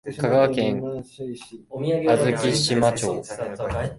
香川県小豆島町